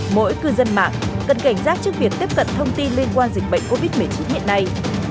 mỗi cư dân mạng cần cảnh giác trước việc tiếp cận thông tin liên quan dịch bệnh covid một mươi chín hiện nay